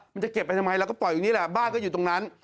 มันจะเก็บไปทำไมเราก็ปล่อยอยู่นี่แหละบ้านก็อยู่ตรงนั้น